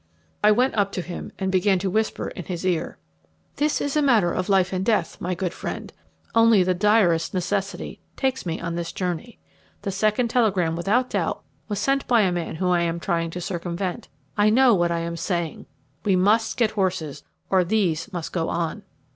I went up to him, and began to whisper in his ear. "This is a matter of life and death, my good friend. Only the direst necessity takes me on this journey. The second telegram without doubt was sent by a man whom I am trying to circumvent. I know what I am saying. We must get horses, or these must go on.